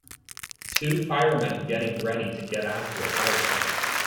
Two firemen getting ready to get onto a firetruck.